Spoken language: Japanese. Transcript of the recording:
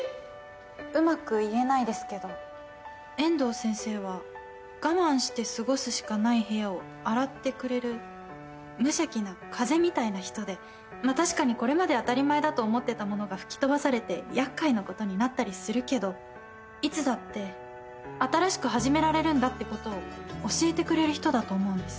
うまく言えないですけど遠藤先生は我慢して過ごすしかない部屋を洗ってくれる無邪気な風みたいな人でまあ確かにこれまで当たり前だと思ってたものが吹き飛ばされて厄介なことになったりするけどいつだって新しく始められるんだってことを教えてくれる人だと思うんです。